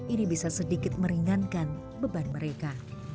ini bisa sedikit meringankan beban mereka